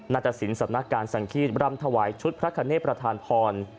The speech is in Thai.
ตสินสำนักการสังฆีตรำถวายชุดพระคเนธประธานพร